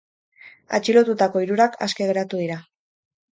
Atxilotutako hirurak aske geratu dira.